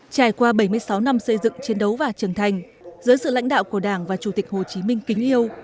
trải qua bảy mươi sáu năm xây dựng chiến đấu và trưởng thành dưới sự lãnh đạo của đảng và chủ tịch hồ chí minh kính yêu